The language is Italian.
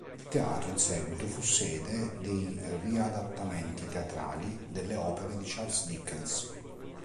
Il teatro in seguito fu sede dei riadattamenti teatrali delle opere di Charles Dickens.